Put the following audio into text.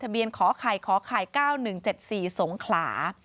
ทะเบียนขอข่ายขอข่าย๙๑๗๔สงขลา